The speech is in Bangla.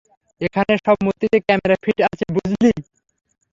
এখানের সব মুর্তিতে ক্যামেরা ফিট আছে বুঝলি।